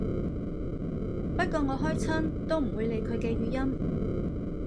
不過我開親都唔會理佢嘅語音